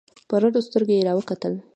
په رډو سترگو يې راوکتل.